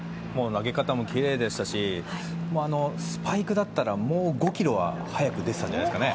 投げ方もきれいでしたしスパイクだったら、もう５キロは速く出ていたんじゃないですかね。